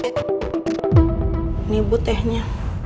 ini ibu tehnya